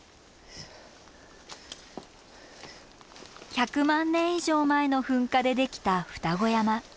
１００万年以上前の噴火でできた両子山。